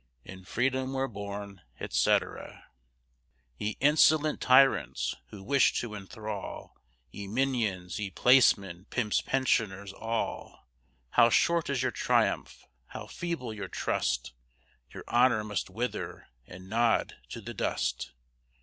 In Freedom we're born, etc. Ye insolent Tyrants! who wish to enthrall; Ye Minions, ye Placemen, Pimps, Pensioners, all; How short is your triumph, how feeble your trust, Your honor must wither and nod to the dust.